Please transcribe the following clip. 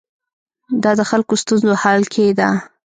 دا د خلکو ستونزو حل کې ده.